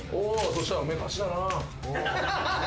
そしたら勝ちだな。